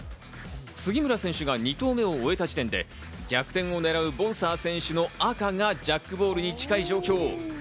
杉村選手が２投目を終えた時点で逆転を狙うボンサー選手の赤がジャックボールに近い状況。